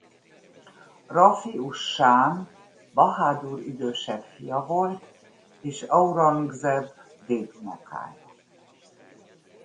Rafi us-Sán Bahádur idősebb fia volt és Aurangzeb dédunokája.